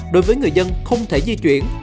đối với người dân không thể di chuyển